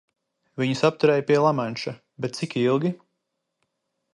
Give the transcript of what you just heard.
Viņus apturēja pie Lamanša, bet cik ilgi?